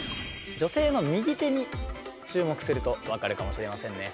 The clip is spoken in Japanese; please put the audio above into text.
女性の右手に注目すると分かるかもしれませんね。